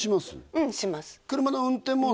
うんします